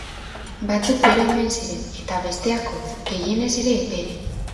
Batzuk bero omen ziren, eta besteak hotz, gehienez ere epel.